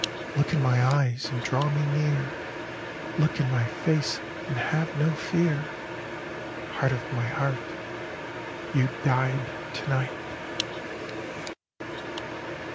Look in my eyes and draw me near! Look in my face and have no fear! Heart of my heart, you died to night!"